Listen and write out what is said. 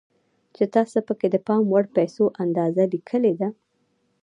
چې تاسې پکې د پام وړ پيسو اندازه ليکلې ده.